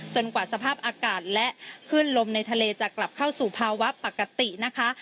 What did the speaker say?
กว่าสภาพอากาศและขึ้นลมในทะเลจะกลับเข้าสู่ภาวะปกตินะคะ